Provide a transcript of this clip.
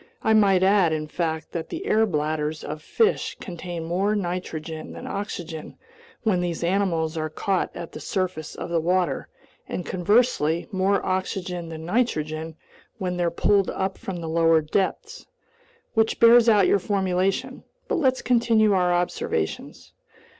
I might add, in fact, that the air bladders of fish contain more nitrogen than oxygen when these animals are caught at the surface of the water, and conversely, more oxygen than nitrogen when they're pulled up from the lower depths. Which bears out your formulation. But let's continue our observations."